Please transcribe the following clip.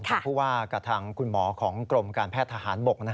ทางผู้ว่ากับทางคุณหมอของกรมการแพทย์ทหารบก